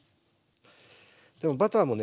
でもバターもね